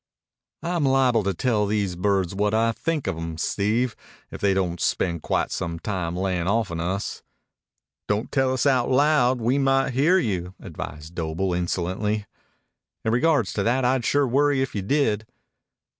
"I'm liable to tell these birds what I think of 'em, Steve, if they don't spend quite some time layin' off'n us." "Don't tell us out loud. We might hear you," advised Doble insolently. "In regards to that, I'd sure worry if you did."